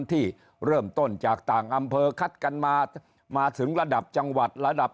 ที่เริ่มต้นจากต่างอำเภอคัดกันมามาถึงระดับจังหวัดระดับ